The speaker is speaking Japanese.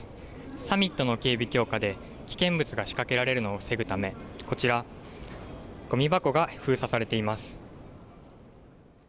サミットの警備強化で危険物が仕掛けられるのを防ぐためこちらごみ箱が封鎖されています。